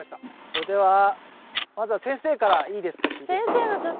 それではまずは先生からいいですか？